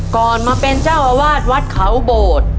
ก่อนมาเป็นเจ้าอาวาสวัดเขาโบด